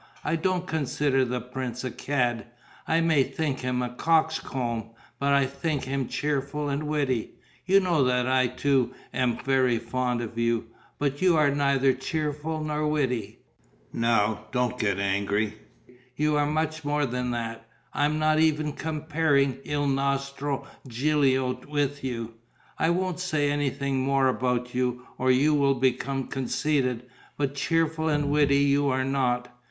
I don't consider the prince a cad. I may think him a coxcomb, but I think him cheerful and witty. You know that I too am very fond of you, but you are neither cheerful nor witty. Now don't get angry. You are much more than that. I'm not even comparing il nostro Gilio with you. I won't say anything more about you, or you will become conceited, but cheerful and witty you are not.